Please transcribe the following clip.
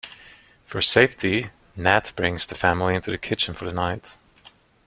For safety, Nat brings the family into the kitchen for the night.